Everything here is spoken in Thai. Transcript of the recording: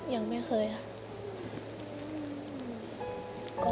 ยังไม่เคยค่ะ